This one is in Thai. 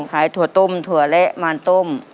ขายถั่วต้มถั่วเละมาร่ต้ม